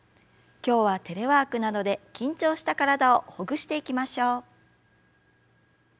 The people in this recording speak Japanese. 今日はテレワークなどで緊張した体をほぐしていきましょう。